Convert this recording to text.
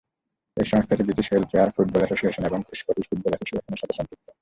এই সংস্থাটি Scottish welfare football association এবং স্কটিশ ফুটবল অ্যাসোসিয়েশনের সাথে সম্পৃক্ত।